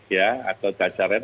ya atau cacaran